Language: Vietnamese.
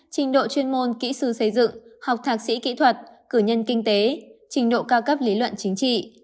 trình độ chuyên môn kỹ sư xây dựng học thạc sĩ kỹ thuật cử nhân kinh tế trình độ cao cấp lý luận chính trị